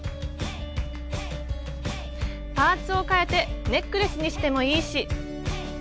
パーツをかえてネックレスにしてもいいし。